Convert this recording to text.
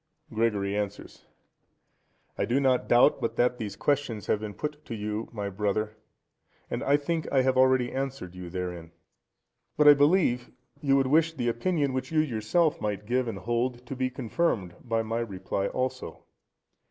Gregory answers.—I do not doubt but that these questions have been put to you, my brother, and I think I have already answered you therein. But I believe you would wish the opinion which you yourself might give and hold to be confirmed by my reply also.